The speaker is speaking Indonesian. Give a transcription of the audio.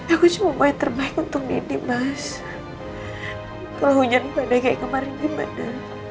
aku cuma mau yang terbaik untuk niddy mas kalau hujan pada kayak kemarin gimana